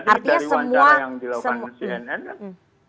dari wawancara yang dilakukan cnn kan